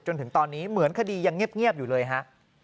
จนถึงตอนนี้เหมือนคดียังเงียบอยู่เลยฮะ